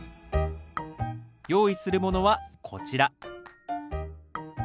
用意するものはこちら。